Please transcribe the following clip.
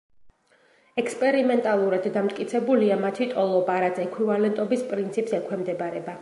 ექსპერიმენტალურად დამტკიცებულია მათი ტოლობა, რაც ექვივალენტობის პრინციპს ექვემდებარება.